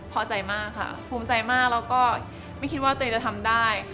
พอใจมากค่ะภูมิใจมากแล้วก็ไม่คิดว่าตัวเองจะทำได้